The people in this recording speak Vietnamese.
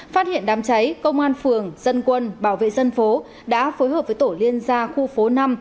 phát hiện đám cháy công an phường dân quân bảo vệ dân phố đã phối hợp với tổ liên gia khu phố năm